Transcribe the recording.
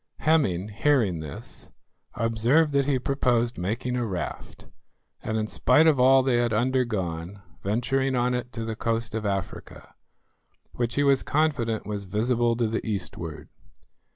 Hemming hearing this, observed that he proposed making a raft, and in spite of all they had undergone, venturing on it to the coast of Africa, which he was confident was visible to the eastward.